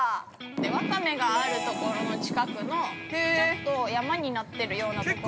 ◆ワカメがあるところの近くのちょっと山になってるようなところ。